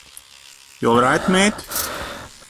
You alright mate?